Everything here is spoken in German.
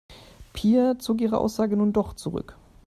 Pia zog ihre Aussage nun doch zurück.